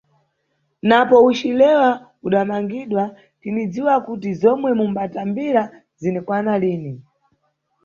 Napo ucilewa udamangiridwa, tinidziwa kuti zomwe mumbatambira zinikwana lini.